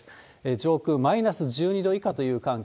上空マイナス１２度以下という寒気。